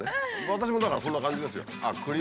私もだからそんな感じですよ。